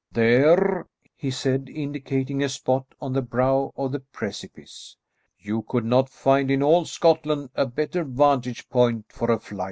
"There," he said, indicating a spot on the brow of the precipice, "you could not find in all Scotland a better vantage point for a flight."